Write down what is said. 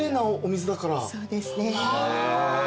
そうですね。